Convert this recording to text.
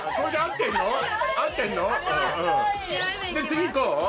次こう？